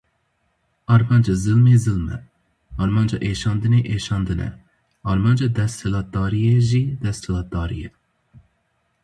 Armanca zilmê zilm e, armanca êşandinê êşandin e, armanca desthilatdariyê jî desthilatdarî ye.